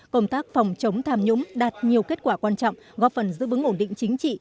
công tác phòng chống tham nhũng đạt nhiều kết quả quan trọng góp phần giữ vững ổn định chính trị